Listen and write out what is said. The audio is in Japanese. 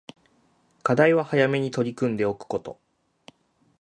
課題は早めに取り組んでおくこと